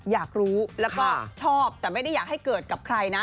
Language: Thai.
อยากรู้แล้วก็ชอบแต่ไม่ได้อยากให้เกิดกับใครนะ